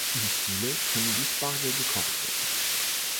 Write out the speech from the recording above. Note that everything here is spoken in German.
Die Stiele können wie Spargel gekocht werden.